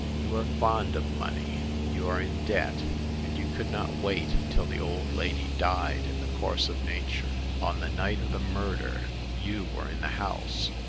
You are fond of money ; you are in debt, and you could not wait until the old lady died in the course of nature. On the night of the murder; you were in the house.'